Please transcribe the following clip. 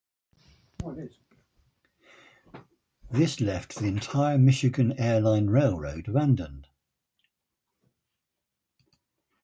This left the entire Michigan Air Line Railroad abandoned.